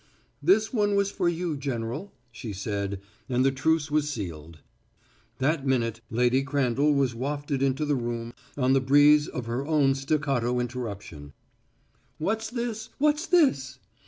"This one was for you, General," she said, and the truce was sealed. That minute, Lady Crandall was wafted into the room on the breeze of her own staccato interruption. "What's this what's this!